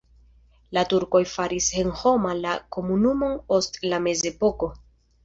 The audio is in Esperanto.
La turkoj faris senhoma la komunumon ost la mezepoko.